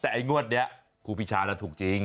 แต่ไอ้งวดนี้ครูปีชาน่ะถูกจริง